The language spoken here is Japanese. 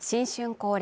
恒例